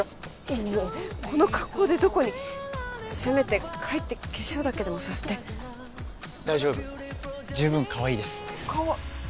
いやいやこの格好でどこにせめて帰って化粧だけでもさせて大丈夫十分かわいいですかわっ